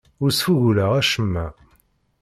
Ur sfuguleɣ acemma.